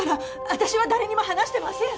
私は誰にも話してません